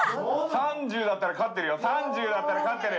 ３０だったら勝ってる！